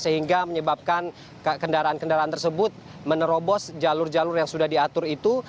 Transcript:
sehingga menyebabkan kendaraan kendaraan tersebut menerobos jalur jalur yang sudah diatur itu